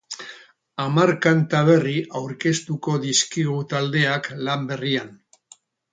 Hamar kanta berri aurkeztuko dizkigu taldeak lan berrian.